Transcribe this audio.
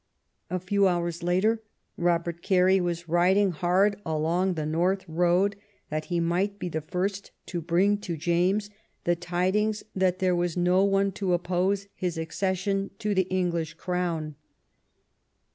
A few hoiirs later Robert Carey was riding hard along the North road that he might be the first to bring to James the tidings that there was no one to oppose his accession to the English Crown.